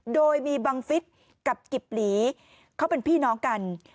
โดยมีบังฟิศกับกิบหลีเขาเป็นพี่น้องกัน